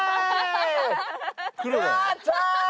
やったー！